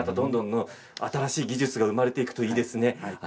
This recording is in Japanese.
新しい技術が生まれていくといいですね。